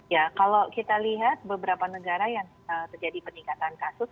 ya kalau kita lihat beberapa negara yang terjadi peningkatan kasus